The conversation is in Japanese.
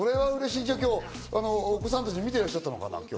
じゃあ、今日お子さんたち見てらっしゃったのかな？